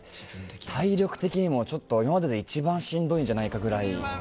体力的にも今までで一番しんどいんじゃないかと。